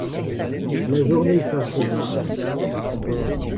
La journée s’acheva.